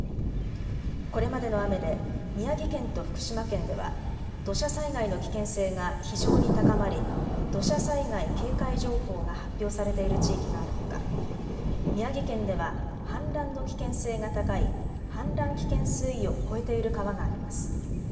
これまでの雨で宮城県と福島県では土砂災害の危険性が非常に高まり土砂災害警戒情報が発表されている地域があるほか宮城県では氾濫の危険性が高い氾濫危険水位を超えている川があります。